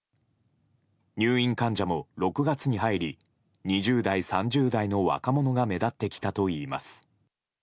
入院患者も６月に入り２０代、３０代の若者が目立ってきたといいます。